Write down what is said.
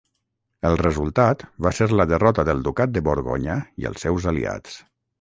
El resultat va ser la derrota del Ducat de Borgonya i els seus aliats.